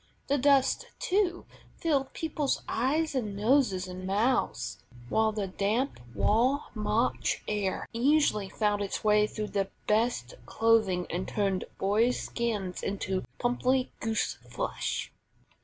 The dust, too, filled people's eyes and noses and mouths, while the damp raw March air easily found its way through the best clothing, and turned boys' skins into pimply goose flesh.